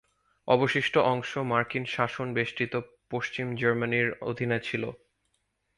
অবশিষ্ট অংশ মার্কিন শাসন-বেষ্টিত পশ্চিম জার্মানির অধীনে ছিল।